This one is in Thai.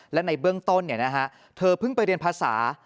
และในเบื้องต้นเธอเพิ่งไปเรียนภาษา